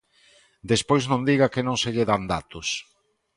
Despois non diga que non se lle dan datos.